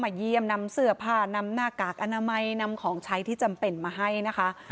เยี่ยมนำเสื้อผ้านำหน้ากากอนามัยนำของใช้ที่จำเป็นมาให้นะคะ